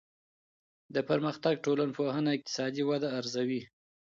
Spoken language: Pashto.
د پرمختګ ټولنپوهنه اقتصادي وده ارزوي.